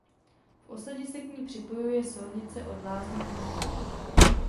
V osadě se k ní připojuje silnice od Lázní Kynžvart.